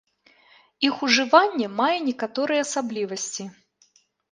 Іх ужыванне мае некаторыя асаблівасці.